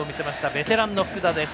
ベテランの福田。